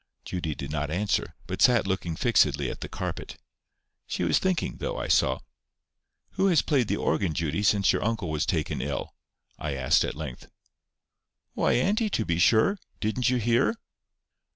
Judy did not answer, but sat looking fixedly at the carpet. She was thinking, though, I saw. "Who has played the organ, Judy, since your uncle was taken ill?" I asked, at length. "Why, auntie, to be sure. Didn't you hear?"